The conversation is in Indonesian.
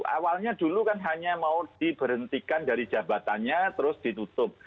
awalnya dulu kan hanya mau diberhentikan dari jabatannya terus ditutup